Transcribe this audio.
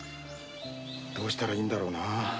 どうしたらいいんだろうなぁ？